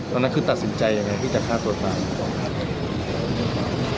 ตอนนั้นคือตัดสินใจยังไงที่จะฆ่าตัวตาย